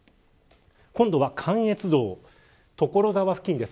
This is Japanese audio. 今度は関越道、所沢付近です。